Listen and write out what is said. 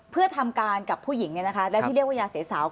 เพื่อทำการกับผู้หญิงและที่เรียกว่ายาเสสาว